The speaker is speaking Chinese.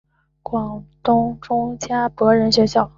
广东中加柏仁学校。